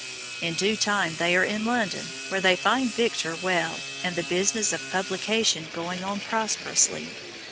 In due time they are in London where they find Victor well, and the business of publication going on prosperously.